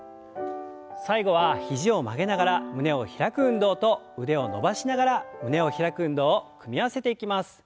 最後は肘を曲げながら胸を開く運動と腕を伸ばしながら胸を開く運動を組み合わせていきます。